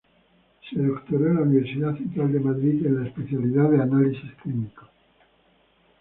Se doctoró en la Universidad Central de Madrid, en la especialidad de análisis clínicos.